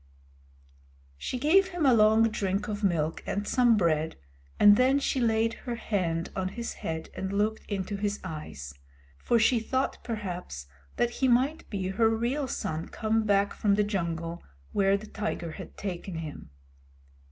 She gave him a long drink of milk and some bread, and then she laid her hand on his head and looked into his eyes; for she thought perhaps that he might be her real son come back from the jungle where the tiger had taken him.